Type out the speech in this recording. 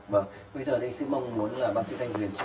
bây giờ thì xin mong muốn bác sĩ thanh huyền